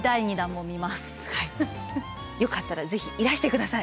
よかったらぜひいらして下さい。